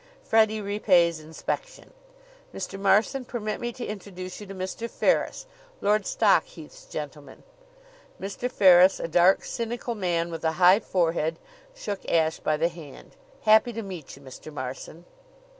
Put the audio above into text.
"Freddie repays inspection." "Mr. Marson, permit me to introduce you to Mr. Ferris, Lord Stockheath's gentleman." Mr. Ferris, a dark, cynical man, with a high forehead, shook Ashe by the hand. "Happy to meet you, Mr. Marson."